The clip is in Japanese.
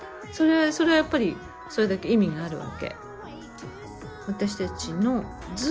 それはやっぱりそれだけ意味があるわけ。